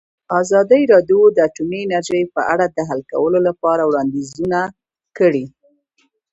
ازادي راډیو د اټومي انرژي په اړه د حل کولو لپاره وړاندیزونه کړي.